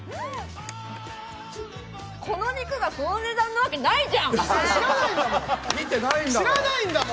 この肉がこの値段なわけないじゃん！